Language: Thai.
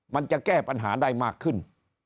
มันจะแก้ปัญหาได้มากขึ้น